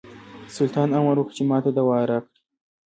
سلطان امر وکړ چې ماته دوا راکړي.